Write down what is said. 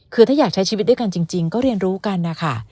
คือถ้าอยากใช้ชีวิตด้วยกันจริงก็เรียนรู้กันนะคะ